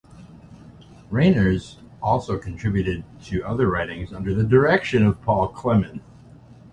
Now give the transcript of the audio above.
Reiners also contributed to other writings under the direction of Paul Clemen.